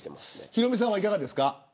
ヒロミさんはいかがですか。